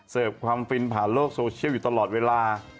ความฟินผ่านโลกโซเชียลอยู่ตลอดเวลา